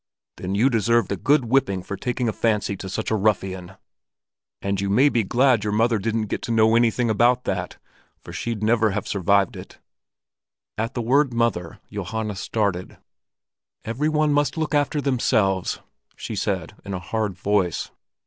"Then you deserved a good whipping for taking a fancy to such a ruffian! And you may be glad your mother didn't get to know anything about that, for she'd never have survived it." At the word "mother" Johanna started. "Every one must look after themselves," she said in a hard voice.